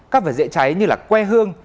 các vật dễ cháy như là que hương